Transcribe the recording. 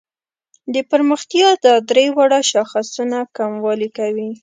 د پرمختیا دا درې واړه شاخصونه کموالي کوي.